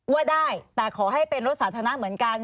ว่าได้แต่ขอให้เป็นรถสาธารณะเหมือนกัน